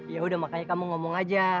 ya udah makanya kamu ngomong aja